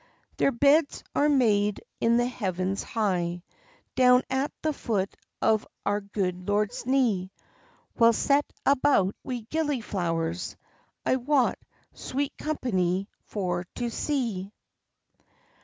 "Their beds are made in the heavens high, Down at the foot of our good lord's knee, Weel set about wi' gillyflowers; I wot, sweet company for to see.